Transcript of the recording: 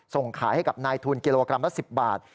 ส่งขายให้กับนายทุนกิโลกรัมละ๑๐บาท